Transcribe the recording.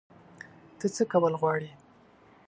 ته څه کول غواړې؟